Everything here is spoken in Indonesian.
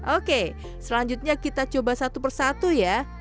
oke selanjutnya kita coba satu persatu ya